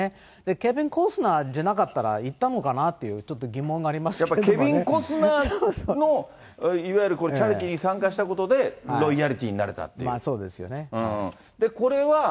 ケビン・コスナーじゃなかったら、行ったのかなってちょっと疑問がやっぱりケビン・コスナーのいわゆるこれ、チャリティーに参加したことで、まあ、そうですよね。